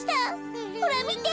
ほらみて！